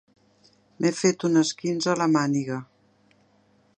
M'he fet un esquinç a la màniga.